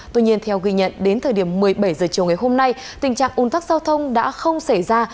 tuy nhiên theo ghi nhận đến thời điểm một mươi bảy h chiều ngày hôm nay tình trạng un tắc giao thông đã không xảy ra